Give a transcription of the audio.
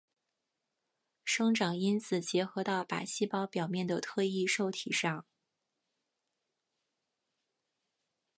生长因子结合到靶细胞表面的特异受体上。